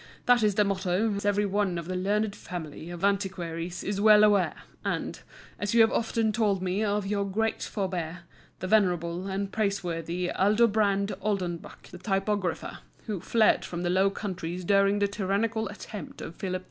That is the motto, as every one of the learned family of antiquaries is well aware, and, as you have often told me, of your great forbear, the venerable and praiseworthy Aldobrand Oldenbuck the Typographer, who fled from the Low Countries during the tyrannical attempt of Philip II.